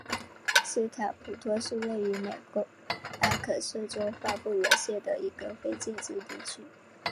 斯坦普托是位于美国阿肯色州范布伦县的一个非建制地区。